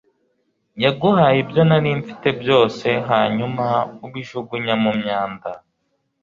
Yaguhaye ibyo nari mfite byose hanyuma ubijugunya mu myanda